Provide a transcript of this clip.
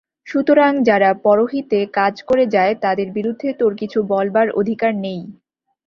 সুতরাং যারা পরহিতে কাজ করে যায়, তাদের বিরুদ্ধে তোর কিছু বলবার অধিকার নেই।